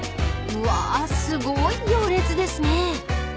［うわすごい行列ですね］